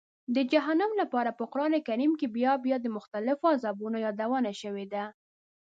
د جهنم لپاره په قرآن کې بیا بیا د مختلفو عذابونو یادونه شوې ده.